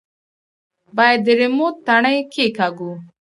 بايد د ريموټ تڼۍ کښېکاږو.